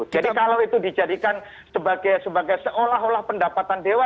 jadi kalau itu dijadikan sebagai seolah olah pendapatan dewan